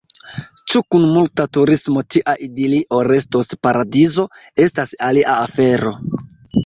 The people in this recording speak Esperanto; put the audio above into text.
Ĉu kun multa turismo tia idilio restos paradizo, estas alia afero.